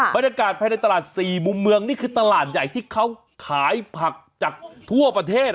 บรรยากาศภายในตลาด๔มุมเมืองนี่คือตลาดใหญ่ที่เขาขายผักจากทั่วประเทศ